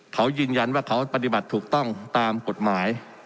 เขายืนยันว่าเขาปฏิบัติถูกต้องตามกฎหมาย